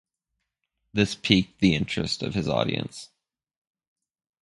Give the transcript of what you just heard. This piqued the interest of his audience.